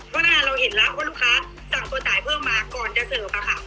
พนักงานเราเห็นละว่าลูกค้าสั่งตัวจ่ายเพิ่มมาก่อนจะเสริมอะค่ะ